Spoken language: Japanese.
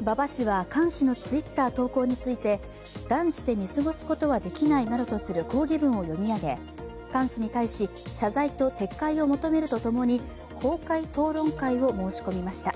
馬場氏は菅氏のＴｗｉｔｔｅｒ投稿について断じて見過ごすことはできないなどとする抗議文を読みあげ菅氏に対し、謝罪と撤回を求めるとともに公開討論会を申し込みました。